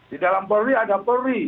di dalam polri ada polri